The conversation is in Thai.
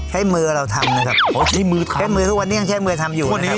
ให้มือเราทำนะครับโอ้ใช้มือทำใช้มือทุกวันนี้ยังใช้มือทำอยู่วันนี้